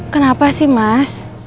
kenapa sih mas